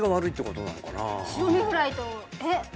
あの白身フライとえっ？